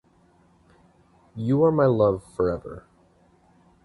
You are my love forever.